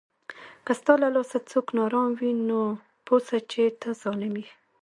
که ستا له لاسه څوک ناارام وي، نو پوه سه چې ته ظالم یې